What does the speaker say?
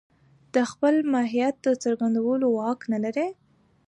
د خپل ماهيت د څرګندولو واک نه لري.